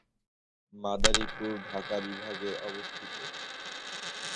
তিনি বাংলাদেশী অডিও প্রকৌশলী, সংগীত সুরকার ও শিল্পী।